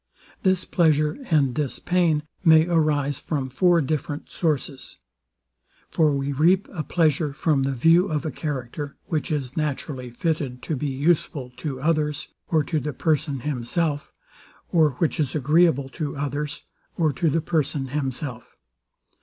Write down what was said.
This pleasure and this pain may arise from four different sources. For we reap a pleasure from the view of a character, which is naturally fitted to be useful to others, or to the person himself, or which is agreeable to others, or to the person himself.